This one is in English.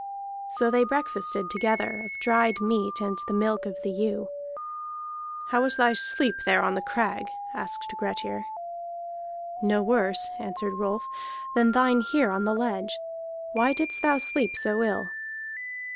So they breakfasted together, of dried meat and the milk of the ewe. "How was thy sleep there on the crag?" asked Grettir. "No worse," answered Rolf, "than thine here on the ledge. Why didst thou sleep so ill?"